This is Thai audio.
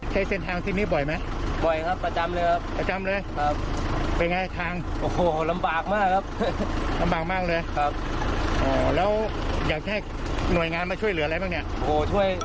เขาอยากให้หน่วยงานมาช่วยเหลืออะไรบ้างเนี่ย